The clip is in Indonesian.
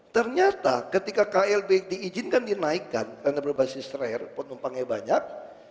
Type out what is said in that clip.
ternyata ketika klb diizinkan dinaikkan karena berbasis rare penumpangnya banyak